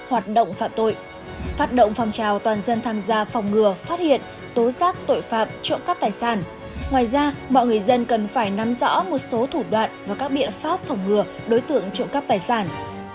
hoạt động phạm tội phát động phòng trào toàn dân tham gia phòng ngừa phát hiện tố giác tội phạm trộm cắp tài sản ngoài ra mọi người dân cần phải nắm rõ một số thủ đoạn và các biện pháp phòng ngừa đối tượng trộm cắp tài sản